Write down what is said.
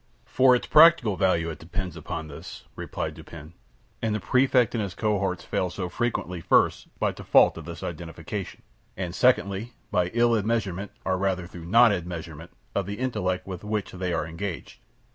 "For its practical value it depends upon this," replied Dupin; "and the Prefect and his cohort fail so frequently, first, by default of this identification, and, secondly, by ill admeasurement, or rather through non admeasurement, of the intellect with which they are engaged.